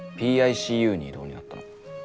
「ＰＩＣＵに異動になったの」